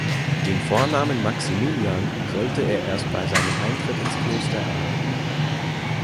Den Vornamen Maximilian sollte er erst bei seinem Eintritt ins Kloster erhalten.